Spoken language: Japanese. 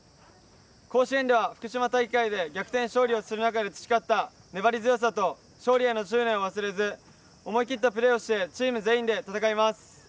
甲子園では福島大会で逆転勝利をする中で培った粘り強さと勝利への執念を忘れず思い切ったプレーをしてチーム全員で戦います。